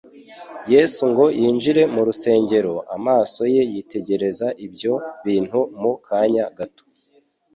Yesu ngo yinjire mu rusengero, amaso ye yitegereza ibyo bintu mu kanya gato.